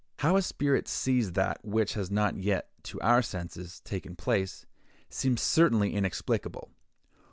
How a spirit sees that which has not yet, to our senses, taken place, seems certainly inexplicable.